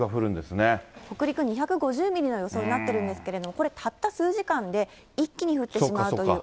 北陸２５０ミリの予想になってるんですけど、これ、たった数時間で一気に降ってしまうという